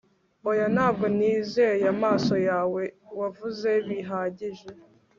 Oya ntabwo nizeye amaso yawe Wavuze bihagije